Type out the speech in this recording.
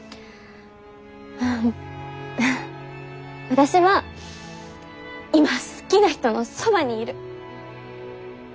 私は今好きな人のそばにいる。